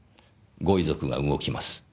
ご遺族が動きます。